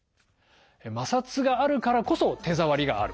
摩擦があるからこそ手触りがある。